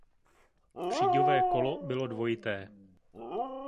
Příďové kolo bylo dvojité.